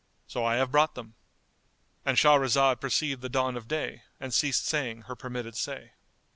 So I have brought them."——And Shahrazad perceived the dawn of day and ceased saying her permitted say.